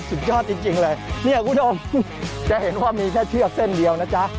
สุดยอดจริงเลยเนี่ยคุณผู้ชมจะเห็นว่ามีแค่เชือกเส้นเดียวนะจ๊ะ